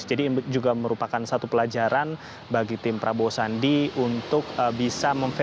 jadi ini juga merupakan satu pelajaran bagi tim prabowo sandi untuk bisa